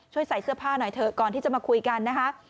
ใส่เสื้อผ้าหน่อยเถอะก่อนที่จะมาคุยกันนะคะ